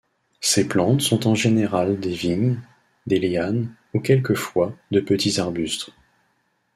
Ces plantes sont en général des vignes, des lianes ou quelquefois de petits arbustes.